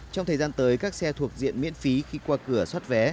trong thời gian tới các xe thuộc diện miễn phí khi qua cửa xuất vé